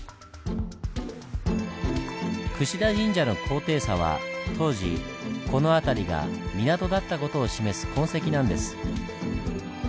田神社の高低差は当時この辺りが港だった事を示す痕跡なんです。